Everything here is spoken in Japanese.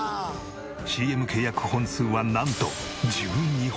ＣＭ契約本数はなんと１２本！